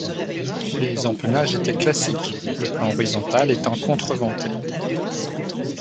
Les empennages étaient classiques, le plan horizontal étant contre-venté.